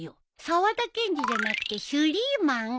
沢田研二じゃなくてシュリーマン。